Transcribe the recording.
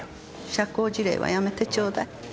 社交辞令はやめてちょうだい。